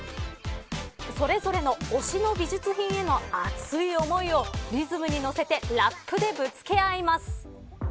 それぞれの推しの美術品への熱い思いをリズムに乗せてラップでぶつけ合います。